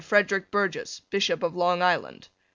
Frederick Burgess, Bishop of Long Island.